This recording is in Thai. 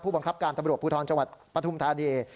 บังคับการตำรวจภูทรจังหวัดปฐุมธานี